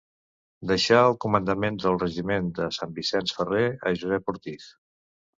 Deixà el comandament del regiment de Sant Vicenç Ferrer a Josep Ortiz.